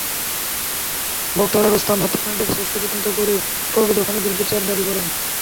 বক্তারা রুস্তম হত্যাকাণ্ডের সু্ষ্ঠু তদন্ত করে প্রকৃত খুনিদের বিচার দাবি করেন।